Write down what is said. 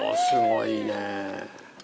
すごいね。